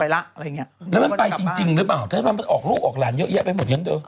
แล้วน่องมันไปจริงหรือเปล่าถ้าน้องมันออกลูกออกหลานเยอะไปหมดไปบ้าง